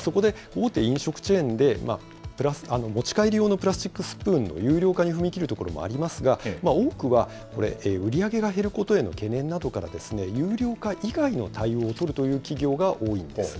そこで、大手飲食チェーンで、持ち帰り用のプラスチックスプーンの有料化に踏み切るところもありますが、多くはこれ、売り上げが減ることへの懸念などから有料化以外の対応を取るという企業が多いんです。